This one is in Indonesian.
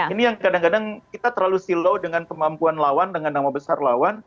ini yang kadang kadang kita terlalu see law dengan kemampuan lawan dengan nama besar lawan